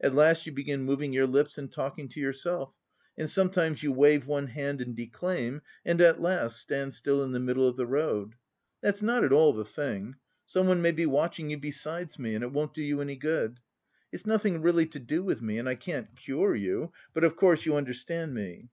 At last you begin moving your lips and talking to yourself, and sometimes you wave one hand and declaim, and at last stand still in the middle of the road. That's not at all the thing. Someone may be watching you besides me, and it won't do you any good. It's nothing really to do with me and I can't cure you, but, of course, you understand me."